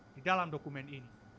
di dalam dokumen ini